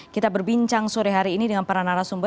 kita berbincang sore hari ini dengan para narasumber